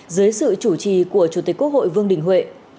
dưới sự chủ trì của chủ tịch quốc hội vương đình huệ